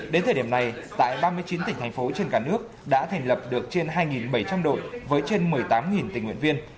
đến thời điểm này tại ba mươi chín tỉnh thành phố trên cả nước đã thành lập được trên hai bảy trăm linh đội với trên một mươi tám tình nguyện viên